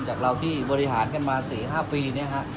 จากเราที่บริหารกันมา๔๕ปีเนี่ยฮะ